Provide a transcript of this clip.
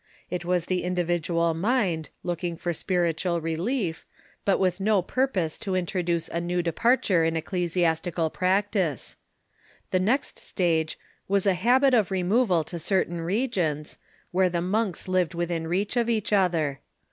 It was the indi vidual mind, looking for spiritual relief, but with no purpose to introduce a new departure in ecclesiastical practice. The next stage Avas a habit of removal to certain regions, where the monks lived within reach of each other.